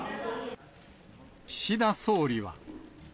岸田総理は。